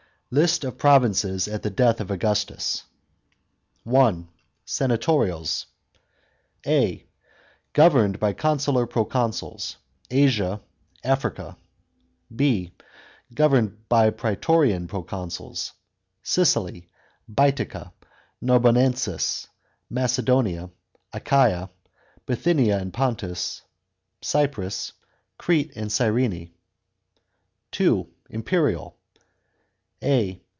UBT OF PROVINCES AT THE DEATH OF AUGUSTUS. 1. &nator£a*t a. Governed by consular proconsuls. 5. Governed by praetorian proconsuls. Sicily. Baetica. Karbonensis. Macedonia. Achaia. Bithynia and Pontus. Cyprus. Crete and Cyrene. 2. Imperial a.